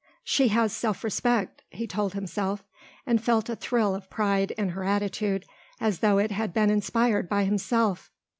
"She has self respect," he told himself, and felt a thrill of pride in her attitude as though it had been inspired by himself.